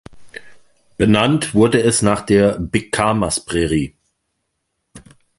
Benannt wurde es nach der "Big Camas Prairie".